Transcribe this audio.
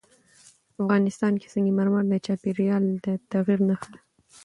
افغانستان کې سنگ مرمر د چاپېریال د تغیر نښه ده.